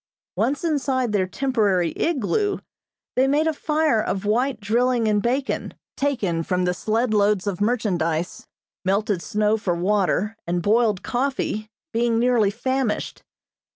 Once inside their temporary igloo, they made a fire of white drilling and bacon, taken from the sled loads of merchandise; melted snow for water, and boiled coffee, being nearly famished.